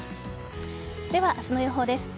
では明日の予報です。